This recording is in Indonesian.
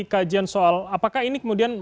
kajian soal apakah ini kemudian